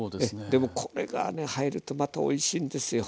でもこれがね入るとまたおいしいんですよ。